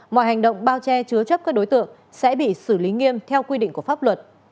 mọi hành động bao che chứa chấp các đối tượng sẽ bị xử lý nghiêm theo quy định của pháp luật